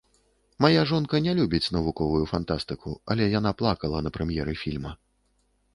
Мая жонка не любіць навуковую фантастыку, але яна плакала на прэм'еры фільма.